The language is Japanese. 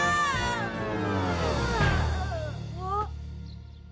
あっ。